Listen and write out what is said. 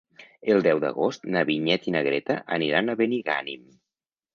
El deu d'agost na Vinyet i na Greta aniran a Benigànim.